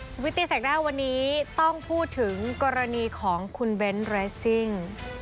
วิตตีแสกหน้าวันนี้ต้องพูดถึงกรณีของคุณเบนท์เรสซิ่ง